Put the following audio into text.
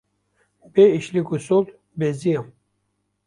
bê îşlig û sol beziyam